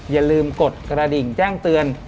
อย่าลืมกดกระดิ่งแจ้งเตือน